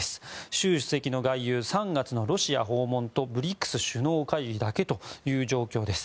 習主席の外遊３月のロシア訪問とＢＲＩＣＳ首脳会議だけという状況です。